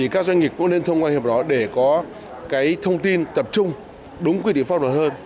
các doanh nghiệp cũng nên thông qua hiệp đó để có thông tin tập trung đúng quy định pháp luật hơn